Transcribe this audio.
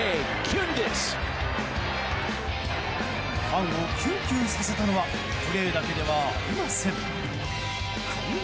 ファンをキュンキュンさせたのはプレーだけではありません。